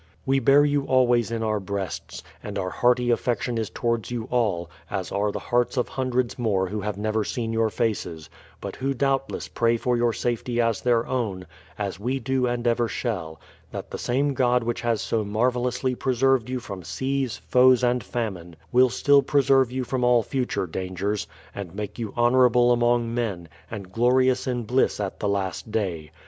... We bear you always in our breasts, and our hearty aflfection is towards you all, as are the hearts of hundreds more who have never seen your faces, but who doubtless pray for your safety as their own, as we do and ever shall — that the same God which has so marvellously preserved you from seas, foes, and famine, will still preserve you from all future dangers, and make you honourable among men, and glorious in bliss at the last day.